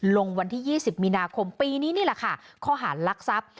วันที่๒๐มีนาคมปีนี้นี่แหละค่ะข้อหารลักทรัพย์